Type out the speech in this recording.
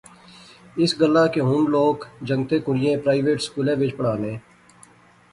اس گلاہ کہ ہن لوک کنگتیں کڑئیں پرائیویٹ سکولیں وچ پڑھانے